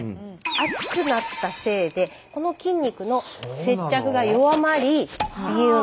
熱くなったせいでこの筋肉の接着が弱まりビューンと。